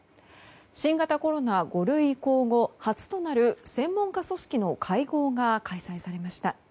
新型コロナ５類移行後初となる専門家組織の会合が開催されました。